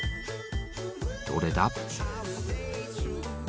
どれだ？